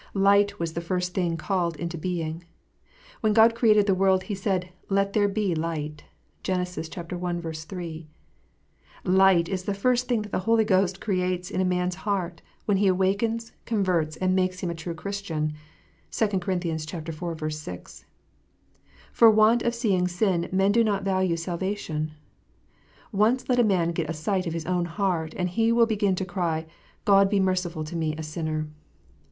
Light was the first thing called into being. When God created the world, He said, "Let there be light" (Gen. i. 3.) Light is the first thing that the Holy Ghost creates in a man s heart, when He awakens, converts, and makes him a true Christian. (2 Cor. iv. 6.) For want of seeing sin men do not value salva tion. Once let a man get a sight of his own heart, and he will begin to cry, "God be merciful to me a sinner."